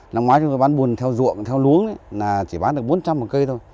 năm ngoái chúng tôi bán bùn theo ruộng theo luống là chỉ bán được bốn trăm linh một cây thôi